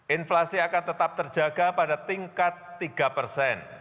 inflasi akan tetap terjaga pada tingkat tiga persen